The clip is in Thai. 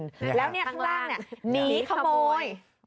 แล้วเนี่ยข้างล่างเนี่ยหนีขโมย